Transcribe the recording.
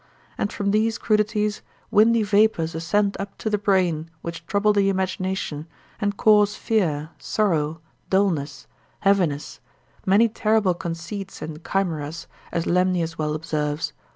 And from these crudities, windy vapours ascend up to the brain which trouble the imagination, and cause fear, sorrow, dullness, heaviness, many terrible conceits and chimeras, as Lemnius well observes, l.